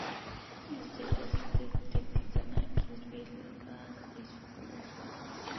Using their tested tactics, the Knights used Balga as a base for further expansion.